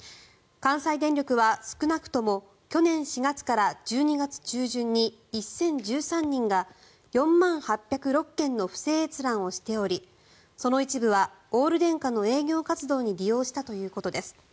関西電力は少なくとも去年４月から１２月中旬に１０１３人が４万８０６件の不正閲覧をしておりその一部はオール電化の営業活動に利用したということです。